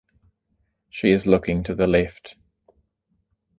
She is looking to the left.